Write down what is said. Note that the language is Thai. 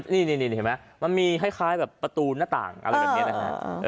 นี่เห็นไหมมันมีคล้ายแบบประตูหน้าต่างอะไรแบบนี้นะฮะ